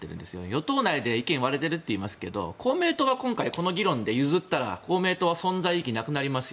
与党内で意見が割れてるって言いますけど公明党がこの議論で譲ったら公明党は存在意義なくなります。